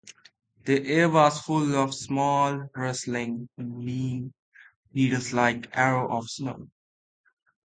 The air was full of small, rustling, keen, needle-like arrows of snow.